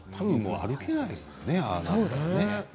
歩けないですよね。